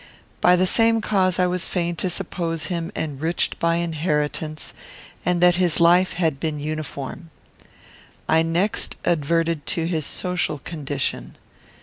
By the same cause I was fain to suppose him enriched by inheritance, and that his life had been uniform. I next adverted to his social condition.